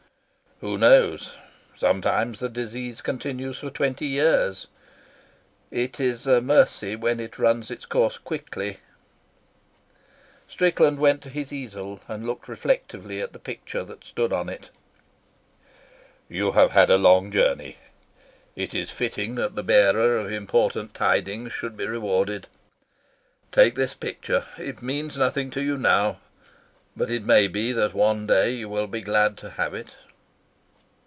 "Who knows? Sometimes the disease continues for twenty years. It is a mercy when it runs its course quickly." Strickland went to his easel and looked reflectively at the picture that stood on it. "You have had a long journey. It is fitting that the bearer of important tidings should be rewarded. Take this picture. It means nothing to you now, but it may be that one day you will be glad to have it."